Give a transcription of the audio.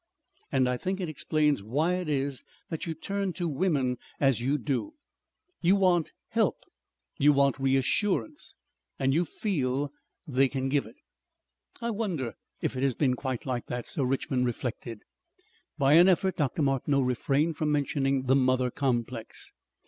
"And I think it explains why it is that you turn to women as you do. You want help; you want reassurance. And you feel they can give it." "I wonder if it has been quite like that," Sir Richmond reflected. By an effort Dr. Martineau refrained from mentioning the mother complex.